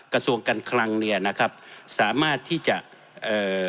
กระทรวงการคลังเนี่ยนะครับสามารถที่จะเอ่อ